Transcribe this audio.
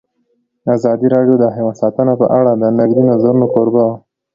ازادي راډیو د حیوان ساتنه په اړه د نقدي نظرونو کوربه وه.